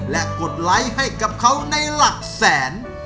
และกดไลค์ให้กับเขาในหลักแสน